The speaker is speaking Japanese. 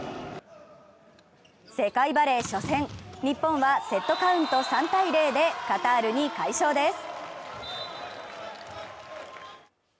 世界バレー初戦、日本はセットカウント３−０でカタールに快勝です。